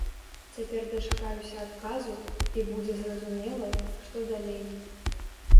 Цяпер дачакаюся адказу, і будзе зразумела, што далей.